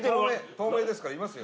透明ですからいますよ。